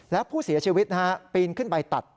แล้วผู้เสียชีวิตปีนขึ้นไปตัด